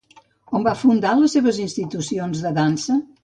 On va fundar les seves institucions de dansa?